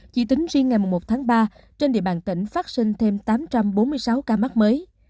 chỉ tính riêng ngày một tháng ba trên địa bàn tỉnh phát sinh thêm tám trăm bốn mươi sáu ca mắc mới